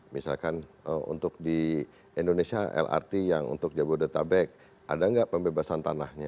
misalkan untuk di indonesia lrt yang untuk jabodetabek ada nggak pembebasan tanahnya